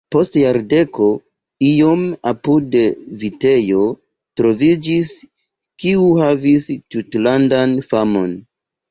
Post jardeko iom apude vitejo troviĝis, kiu havis tutlandan famon.